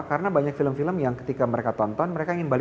karena banyak film film yang ketika mereka tonton mereka ingin beli